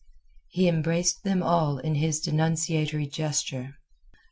He embraced them all in his denunciatory gesture.